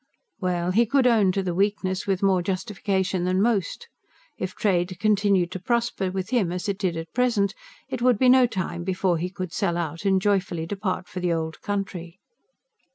Well, he could own to the weakness with more justification than most. If trade continued to prosper with him as it did at present, it would be no time before he could sell out and joyfully depart for the old country.